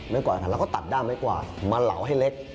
เราก็ตัดด้ามให้กว่าไหวรอให้เล็ก